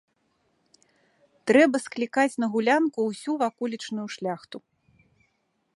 Трэба склікаць на гулянку ўсю ваколічную шляхту.